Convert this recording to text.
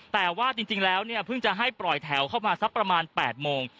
แต่ว่าจริงแล้วเนี่ยเพิ่งจะให้ปล่อยแถวเข้ามาสักประมาณ๘โมง